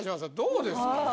どうですか？